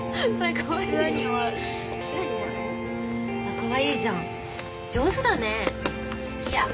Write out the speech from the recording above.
かわいいじゃん上手だね。